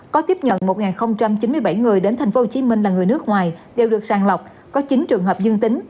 có tiếp nhận một chín mươi bảy người đến tp hcm là người nước ngoài đều được sàng lọc có chín trường hợp dương tính